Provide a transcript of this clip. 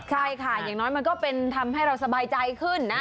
ใช่ค่ะอย่างน้อยมันก็เป็นทำให้เราสบายใจขึ้นนะ